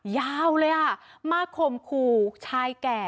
ยาวเลยมาขมขู่ชายแก่